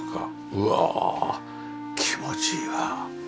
うわあ気持ちいいわ。